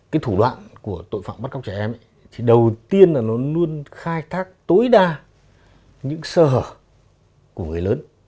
cái thủ đoạn của tội phạm bắt cóc trẻ em thì đầu tiên là nó luôn khai thác tối đa những sơ hở của người lớn